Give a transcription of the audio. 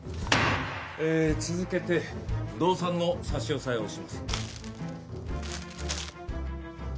えー続けて動産の差し押さえをします。